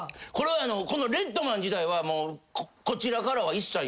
この『レッドマン』自体はこちらからは一切。